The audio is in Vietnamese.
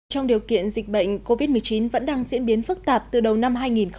trong điều kiện dịch bệnh covid một mươi chín vẫn đang diễn biến phức tạp từ đầu năm hai nghìn hai mươi